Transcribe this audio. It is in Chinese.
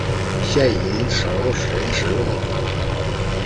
现已少人使用。